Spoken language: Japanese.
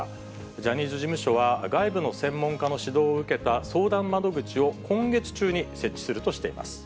ジャニーズ事務所は、外部の専門家の指導を受けた相談窓口を今月中に設置するとしています。